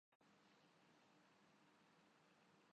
یسے مزدوروں کی زندگی میں